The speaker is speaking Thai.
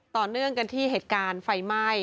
ต่อเนื่องกันที่เหตุการณ์ไฟไหม้